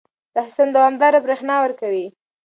دا سیستم دوامداره برېښنا ورکوي.